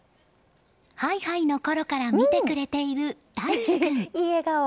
ハイハイのころから見てくれている大暉君。